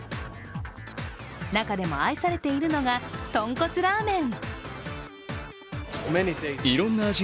中でも愛されているのがとんこつラーメン。